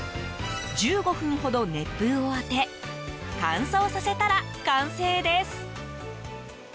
１５分ほど熱風を当て乾燥させたら完成です。